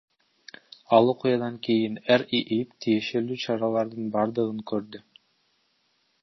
Ал окуядан кийин РИИБ тиешелүү чаралардын бардыгын көрдү.